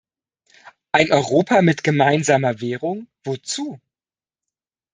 Ein Europa mit gemeinsamer Währung, wozu?